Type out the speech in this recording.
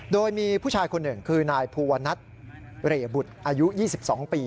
โดยมีผู้ชายคนหนึ่งคือนายภูวนัทเรบุตรอายุ๒๒ปี